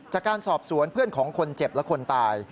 จากการสอบสวนเพื่อนของคนเจ็บและคนตาย